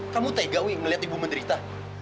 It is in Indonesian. kamu tega wi ngeliat ibu menderita